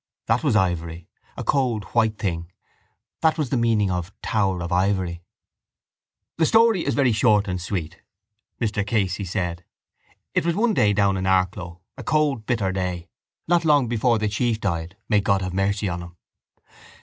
That was ivory: a cold white thing. That was the meaning of Tower of Ivory. —The story is very short and sweet, Mr Casey said. It was one day down in Arklow, a cold bitter day, not long before the chief died. May God have mercy on him!